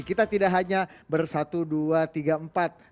kita tidak hanya bersatu dua tiga empat